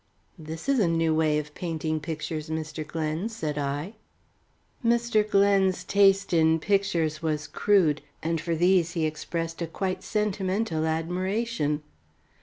"This is a new way of painting pictures, Mr. Glen," said I. Mr. Glen's taste in pictures was crude, and for these he expressed a quite sentimental admiration.